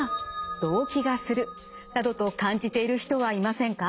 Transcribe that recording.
動悸がするなどと感じている人はいませんか？